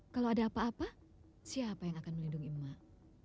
kalau ada apa apa siapa yang akan melindungi emak